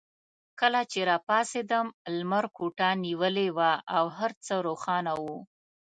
کله چې راپاڅېدم لمر کوټه نیولې وه او هر څه روښانه وو.